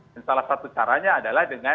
dan salah satu caranya adalah dengan